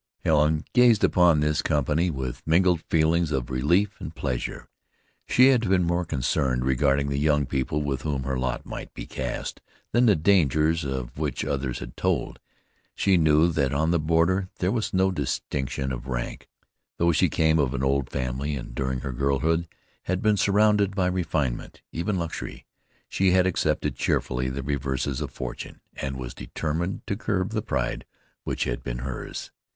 Helen gazed upon this company with mingled feelings of relief and pleasure. She had been more concerned regarding the young people with whom her lot might be cast, than the dangers of which others had told. She knew that on the border there was no distinction of rank. Though she came of an old family, and, during her girlhood, had been surrounded by refinement, even luxury, she had accepted cheerfully the reverses of fortune, and was determined to curb the pride which had been hers.